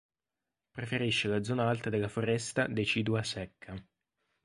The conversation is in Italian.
Preferisce la zona alta della foresta decidua secca.